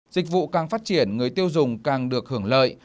dịch vụ càng phát triển người tiêu dùng càng được hưởng lợi